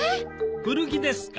古着ですか？